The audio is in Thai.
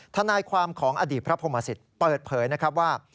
ทนายความของอดีตพระพรหมสิตเปิดเผยนะครับว่า